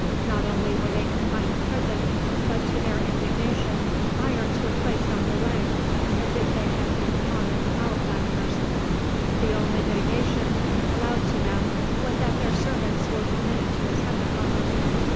Not only were they confined to prison, but, to their indignation, irons were placed on their legs, as if they had been common malefactors. The only mitigation allowed to them was that their servants were permitted to attend upon them.